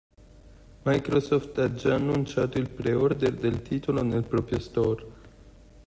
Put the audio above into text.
Microsoft ha già annunciato il pre-order del titolo nel proprio store.